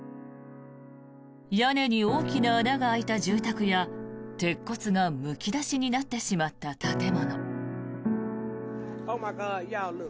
屋根に大きな穴が開いた住宅や鉄骨がむき出しになってしまった建物。